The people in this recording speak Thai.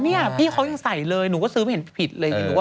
เนี่ยพี่เค้ายังใส่เลยหนูก็ซื้อไม่เห็นผิดเลย